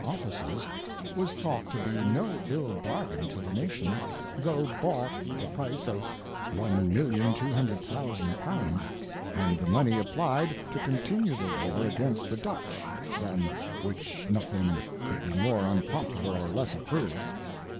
Offices, was thought to be no ill Bargain to the, Nation, tho' bought at the Price of 1200000 pound, and the Money apply'd to continue the War against the Dutch, than whicTi nothing could be more unpopular or less approved.